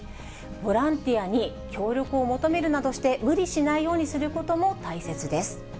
ボランティアに協力を求めるなどして、無理しないようにすることも大切です。